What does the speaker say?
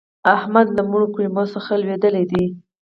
احمد له مړو کلمو څخه لوېدلی دی.